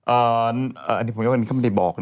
เอออันนี้ผมไม่ได้บอกนะ